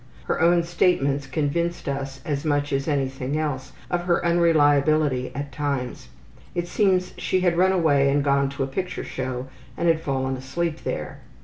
Her own statements convinced us as much as anything else of her unreliability at times. It seems she had run away and gone to a picture show and had fallen asleep there.